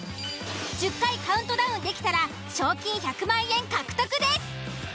１０回カウントダウンできたら賞金１００万円獲得です。